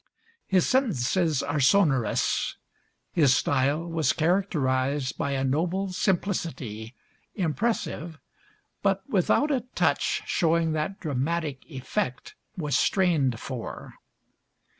His sentences are sonorous; his style was characterized by a noble simplicity, impressive, but without a touch showing that dramatic effect was strained for.